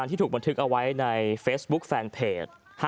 นี่คือในร้านค่ะ